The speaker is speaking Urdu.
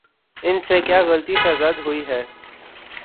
ان سے کیا غلطی سرزد ہوئی ہے؟